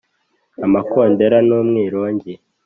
Amakondera n'umwirongi